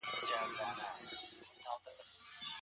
سبحان